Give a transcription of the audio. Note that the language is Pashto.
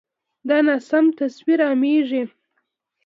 دا ناسم تصویر عامېږي.